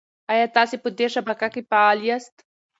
ایا تاسي په دې شبکه کې فعال یاست؟